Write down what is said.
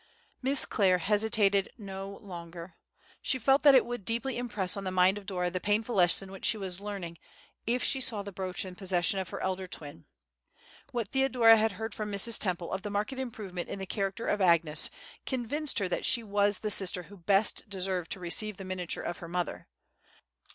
Miss Clare hesitated no longer. She felt that it would deeply impress on the mind of Dora the painful lesson which she was learning, if she saw the brooch in the possession of her elder twin. What Theodora had heard from Mrs. Temple of the marked improvement in the character of Agnes, convinced her that she was the sister who best deserved to receive the miniature of her mother.